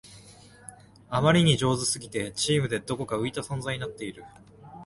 あまりに上手すぎてチームでどこか浮いた存在になっている